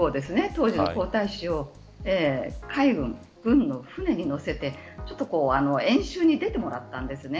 当時の皇太子を海軍の船に乗せてちょっと演習に出てもらったんですね。